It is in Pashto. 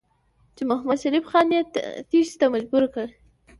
چې محمدشریف خان یې تېښتې ته مجبور کړ.